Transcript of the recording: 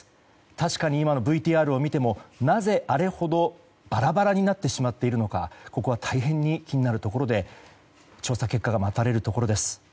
確かに今のＶＴＲを見てもなぜ、あれほどバラバラになってしまっているのか、ここは大変に気になるところで調査結果が待たれるところです。